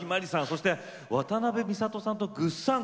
そして渡辺美里さんとぐっさん